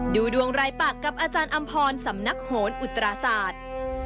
ดูดวงรายปากกับอาจารย์อำพรสำนักโหนอุตราศาสตร์